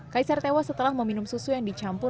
kaisar tewas setelah meminum susu yang dicampur